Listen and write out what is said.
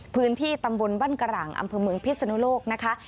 พื้นที่ตำบลบ้านกร่างอำเภอเมืองพิศนุโลกนะคะ